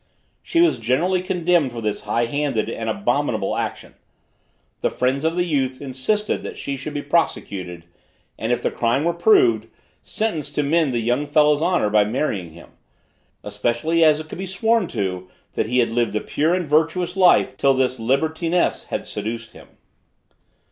She was generally condemned for this high handed and abominable action. The friends of the youth insisted that she should be prosecuted, and if the crime were proved, sentenced to mend the young fellow's honor by marrying him, especially as it could be sworn to that he had lived a pure and virtuous life till this libertiness had seduced him.